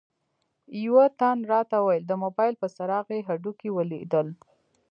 یوه تن راته وویل د موبایل په څراغ یې هډوکي ولیدل.